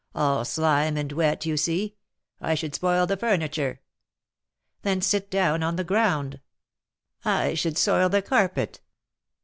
all slime and wet, you see. I should spoil the furniture." "Then sit down on the ground." "I should soil the carpet."